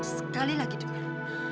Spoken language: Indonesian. sekali lagi denger